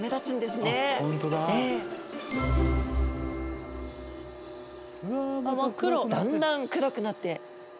スタジオだんだん暗くなって。